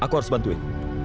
aku harus bantuin